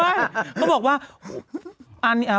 ไม่เขาบอกว่า